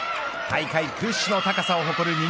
大会屈指の高さを誇る２